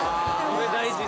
それ大事。